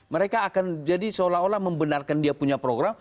mereka akan jadi seolah olah membenarkan dia punya program